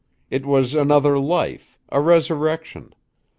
It was another life, a resurrection.